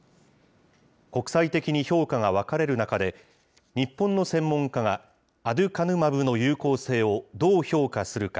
国際的に評価が分かれる中で、日本の専門家がアデュカヌマブの有効性をどう評価するか。